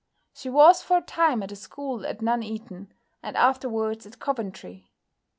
She was for a time at a school at Nuneaton, and afterwards at Coventry.